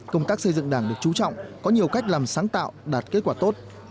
công tác xây dựng đảng được trú trọng có nhiều cách làm sáng tạo đạt kết quả tốt